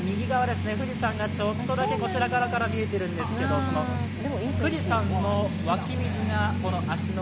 富士山がちょっとだけ、こちら側から見えているんですけど、富士山の湧き水がこの芦ノ